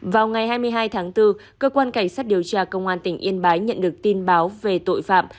vào ngày hai mươi hai tháng bốn cơ quan cảnh sát điều tra công an tỉnh yên bái nhận được tin báo về tội phạm